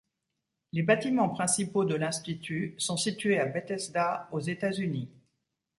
Les bâtiments principaux de l'institut sont situés à Bethesda, aux États-Unis.